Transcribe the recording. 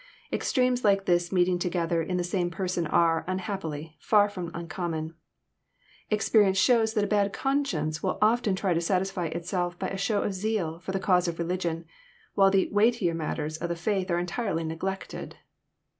Extremes like this meeting together in the same per son are, unhappily, far from uncommon. Experience shows that a bad conscience will often try to satisfy itself by a show of zeal for the cause of religion, while the "weightier matters" of the faith are entirely neglected.